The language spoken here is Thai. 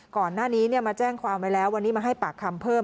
ก่อนหน้านี้มาแจ้งความไว้แล้ววันนี้มาให้ปากคำเพิ่ม